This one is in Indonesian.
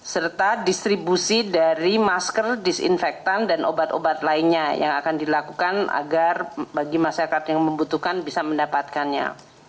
serta distribusi dari masker disinfektan dan obat obat lainnya yang akan dilakukan agar bagi masyarakat yang membutuhkan bisa mendapatkannya